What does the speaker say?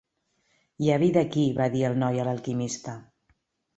"Hi ha vida aquí", va dir el noi a l'alquimista.